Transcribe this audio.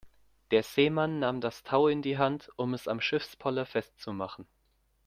Der Seemann nahm das Tau in die Hand, um es am Schiffspoller festzumachen.